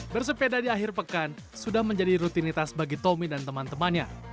bersepeda di akhir pekan sudah menjadi rutinitas bagi tommy dan teman temannya